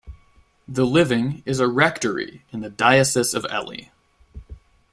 The living is a rectory in the diocese of Ely.